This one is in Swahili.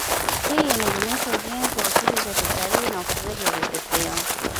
Hii inajumuisha ujenzi wa hoteli za kitalii na ufugaji wa vipepeo